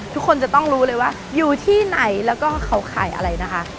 ทุกคนจะต้องรู้เลยว่าอยู่ที่ไหนแล้วก็เขาขายอะไรนะคะ